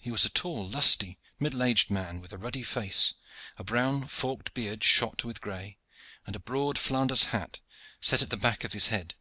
He was a tall, lusty, middle aged man with a ruddy face, a brown forked beard shot with gray, and a broad Flanders hat set at the back of his head.